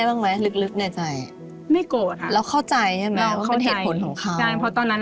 ลูกขาดแม่